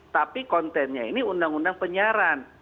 tapi kontennya ini undang undang penyiaran